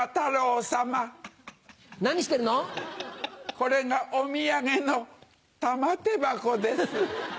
これがお土産の玉手箱です。